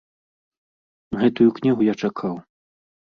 Гэтую кнігу я чакаў.